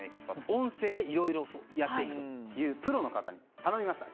音声でいろいろやっていくというプロの方に頼みました。